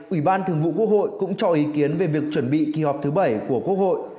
ủy ban thường vụ quốc hội cũng cho ý kiến về việc chuẩn bị kỳ họp thứ bảy của quốc hội